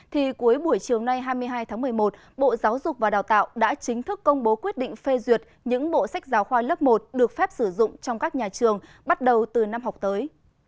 thì cuối buổi chiều nay hai mươi hai tháng một mươi một bộ giáo dục và đào tạo đã chính thức công bố quyết định phê duyệt những bộ sách giáo khoa lớp một được phép sử dụng trong các nhà trường bắt đầu từ năm học tới